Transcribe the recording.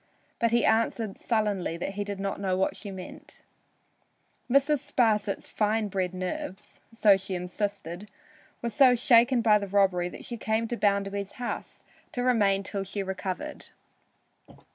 But he answered sullenly that he did not know what she meant. Mrs. Sparsit's fine bred nerves (so she insisted) were so shaken by the robbery that she came to Bounderby's house to remain till she recovered.